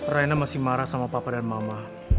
raina masih marah sama papa dan mama